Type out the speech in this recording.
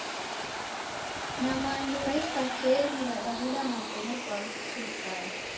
Nyamanduu ra isakenyi radared magome kwa surukale